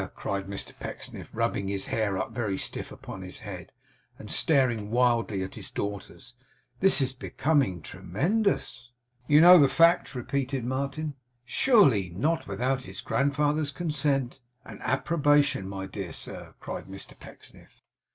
cried Mr Pecksniff, rubbing his hair up very stiff upon his head, and staring wildly at his daughters. 'This is becoming tremendous!' 'You know the fact?' repeated Martin 'Surely not without his grandfather's consent and approbation my dear sir!' cried Mr Pecksniff.